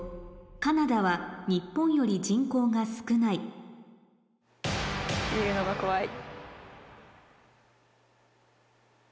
カナダは日本より人口が少ない見るのが怖い。